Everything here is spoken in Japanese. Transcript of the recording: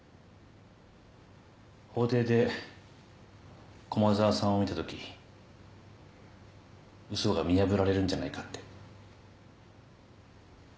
法廷で駒沢さんを見たとき嘘が見破られるんじゃないかって。